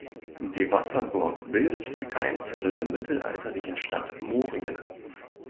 Die Wasserburg bildet die Keimzelle der mittelalterlichen Stadt Moringen.